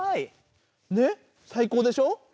ねっさい高でしょ？